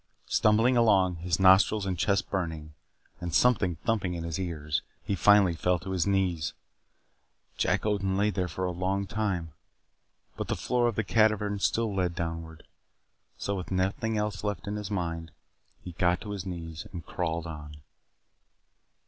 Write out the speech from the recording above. Stumbling along, his nostrils and chest burning, and something thumping in his ears, he finally fell to his knees. Jack Odin lay there for a long time. But the floor of the cavern still led downward. So, with nothing else left in his mind, he got to his knees and crawled on.